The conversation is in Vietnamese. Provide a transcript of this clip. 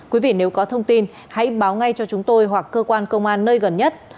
quý vị nếu có thông tin hãy báo ngay cho chúng tôi hoặc cơ quan công an nơi gần nhất